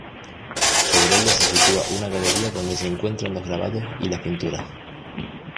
Sobre ella se sitúa una galería donde se encuentran los grabados y las pinturas.